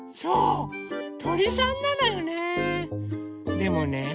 でもね